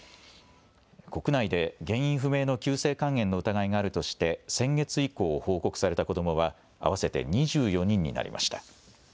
国内で原因不明の急性肝炎の疑いがあるとして先月以降報告された子どもは合わせて２４人になりました。